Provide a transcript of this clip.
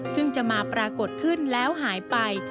ซึ่งจะมาปรากฏขึ้นแล้วหายไป